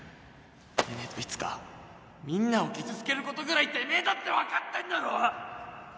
でねえといつかみんなを傷つけることぐらいてめえだって分かってんだろ！？